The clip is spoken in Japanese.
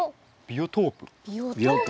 ビオトープ。